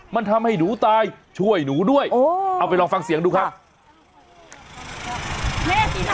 มันทำให้หนูตายช่วยหนูด้วยเอาไปลองฟังเสียงดูครับ